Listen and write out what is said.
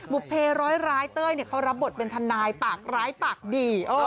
บุภเพร้อยเต้ยเขารับบทเป็นทนายปากร้ายปากดี